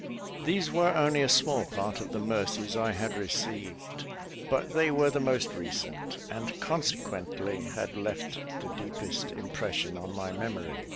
These were only a small part of the mercies I had received; but they were the most recent, and consequently had left the deepest impression on my memory.